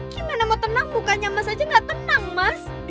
gimana mau tenang bukannya mas aja gak tenang mas